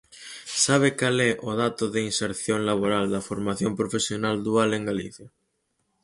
¿Sabe cal é o dato de inserción laboral da formación profesional dual en Galicia?